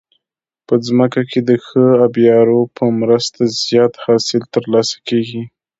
په ځمکه کې د ښه آبيارو په مرسته زیات حاصل ترلاسه کیږي.